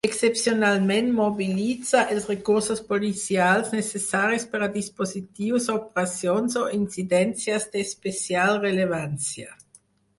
Excepcionalment mobilitza els recursos policials necessaris per a dispositius, operacions o incidències d'especial rellevància.